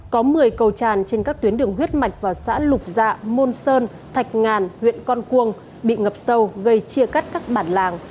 có một mươi cầu tràn trên các tuyến đường huyết mạch vào xã lục dạ môn sơn thạch ngàn huyện con cuông bị ngập sâu gây chia cắt các bản làng